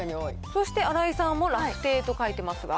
そして新井さんもラフテーと書いてますが。